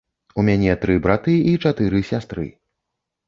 У мяне тры браты і чатыры сястры.